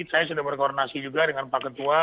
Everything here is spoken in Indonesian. saya sudah berkoordinasi juga dengan pak ketua